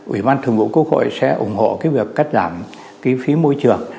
ủy ban thường vụ quốc hội sẽ ủng hộ cái việc cắt giảm kinh phí môi trường